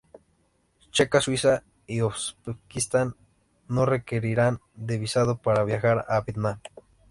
Checa, Suiza y Uzbekistán no requerirán de visado para viajar a Vietnam.